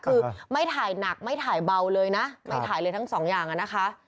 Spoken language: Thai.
คือไม่ถ่ายหนักไม่ถ่ายเบาเลยนะไม่ถ่ายเลยทั้งสองอย่างอะนะคะ